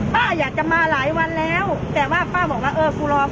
ป้าอยากจะมาหลายวันแล้วแต่ว่าป้าบอกว่าเออกูรอ